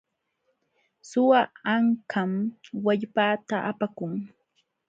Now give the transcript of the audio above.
Suwa ankam wallpaata apakun.